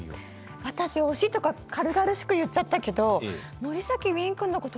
私推しとか軽々しく言っちゃったけど森崎ウィン君のこと